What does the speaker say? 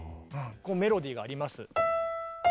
メロディーがあります。